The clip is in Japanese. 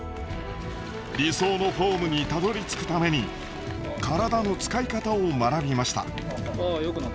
理想のフォームにたどりつくために体の使い方を学びました。